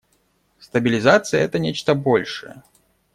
Стабилизация — это нечто большее.